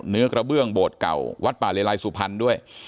เนื้อกระเบื้องโบสถเก่าวัดป่าเลไลสุพรรณด้วย